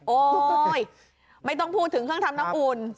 โอ้โหไม่ต้องพูดถึงเครื่องทำน้ำอุ่น